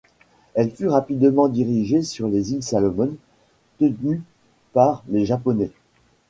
Elle fut rapidement dirigée sur les îles Salomon, tenues par les Japonais.